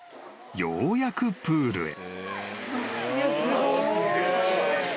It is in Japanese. ようやくプールへ］